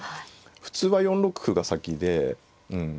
普通は４六歩が先でうん。